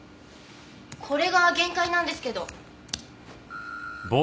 これが限界なんですけど。